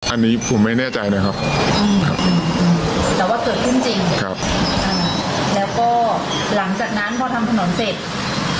อันนี้ผมไม่แน่ใจนะครับแต่ว่าเกิดขึ้นจริงครับอ่าแล้วก็หลังจากนั้นพอทำถนนเสร็จ